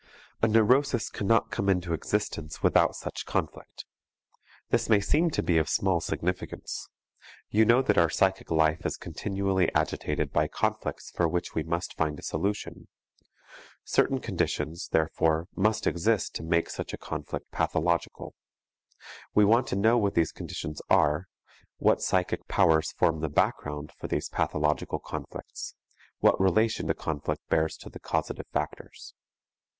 A neurosis cannot come into existence without such conflict. This may seem to be of small significance. You know that our psychic life is continually agitated by conflicts for which we must find a solution. Certain conditions, therefore, must exist to make such a conflict pathological. We want to know what these conditions are, what psychic powers form the background for these pathological conflicts, what relation the conflict bears to the causative factors.